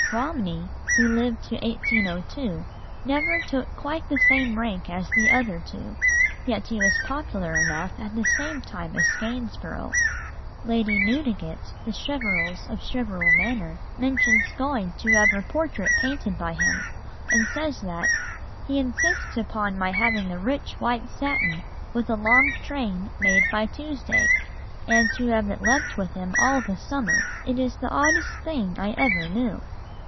Romney, who lived to 1802, never took quite the same rank as the other two, yet he was popular enough at the same time as Gainsborough; Lady Newdigate (The Cheverels of Cheverel Manor) mentions going to have her portrait painted by him, and says that "he insists upon my having a rich white satin with a long train made by Tuesday, and to have it left with him all the summer. It is the oddest thing I ever knew."